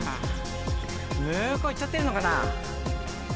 向こう行っちゃってるのかな。